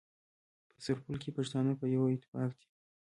په سرپل کي پښتانه په يوه اتفاق دي.